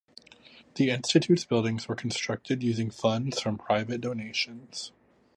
The Institute's buildings were constructed using funds from private donations.